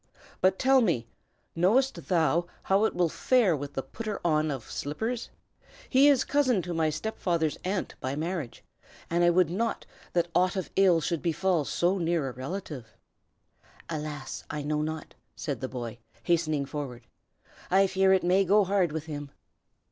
"But tell me, knowest thou how it will fare with the Putter on of Slippers? He is cousin to my stepfather's aunt by marriage, and I would not that aught of ill should befall so near a relative." "Alas! I know not," said the boy, hastening forward. "I fear it may go hard with him."